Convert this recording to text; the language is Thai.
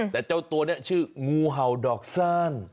แต่เจ้าตัวนี้ชื่องูเห่าดอกสั้น